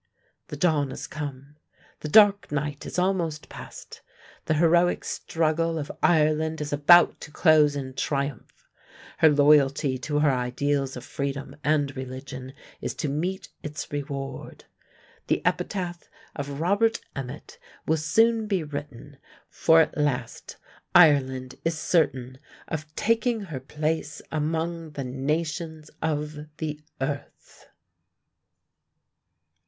The dawn has come. The dark night is almost past; the heroic struggle of Ireland is about to close in triumph. Her loyalty to her ideals of freedom and religion is to meet its reward. The epitaph of Robert Emmet will soon be written, for at last Ireland is certain of "taking her place among the nations of the earth."